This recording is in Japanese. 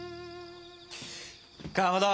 かまど！